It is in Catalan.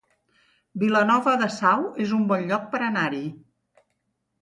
Vilanova de Sau es un bon lloc per anar-hi